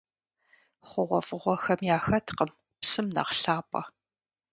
ХъугъуэфӀыгъуэхэм яхэткъым псым нэхъ лъапӀэ.